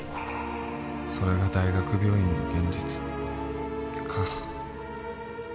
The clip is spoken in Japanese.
それが大学病院の現実か